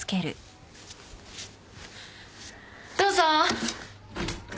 どうぞ。